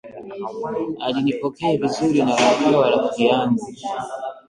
Alinipokea vizuri na akawa rafiki yangu